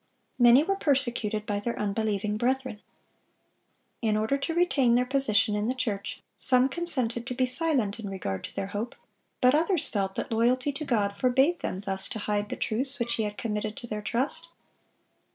Many were persecuted by their unbelieving brethren. In order to retain their position in the church, some consented to be silent in regard to their hope; but others felt that loyalty to God forbade them thus to hide the truths which He had committed to their trust.